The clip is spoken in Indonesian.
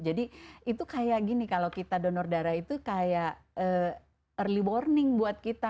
jadi itu kayak gini kalau kita donor darah itu kayak early warning buat kita